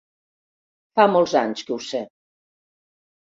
Fa molts anys que ho sé.